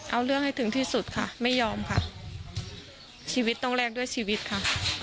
เอาเรื่องให้ถึงที่สุดค่ะไม่ยอมค่ะชีวิตต้องแลกด้วยชีวิตค่ะ